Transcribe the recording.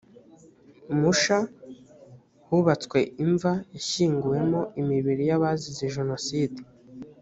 musha hubatswe imva yashyinguwemo imibiri y’abazize jenoside